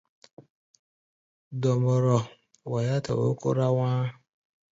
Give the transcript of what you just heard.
Dɔmbɔrɔ waiá tɛ ó kórá wá̧á̧.